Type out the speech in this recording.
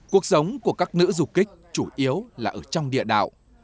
cuộc sống của các nữ dục kích chủ yếu là ở trong địa đạo